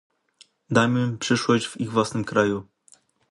Dajmy im przyszłość w ich własnym kraju